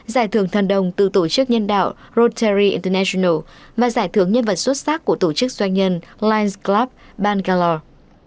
giải thưởng thần đồng từ tổ chức nhân đạo rotary international và giải thưởng nhân vật xuất sắc của tổ chức doanh nhân lions club bangalore